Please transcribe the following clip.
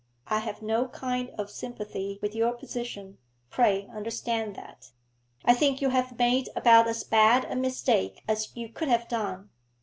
I have no kind of sympathy with your position, pray understand that. I think you have made about as bad a mistake as you could have done.